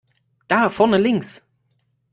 Da vorne links!